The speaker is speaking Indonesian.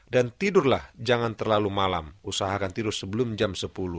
dan tidurlah jangan terlalu malam usahakan tidur sebelum jam sepuluh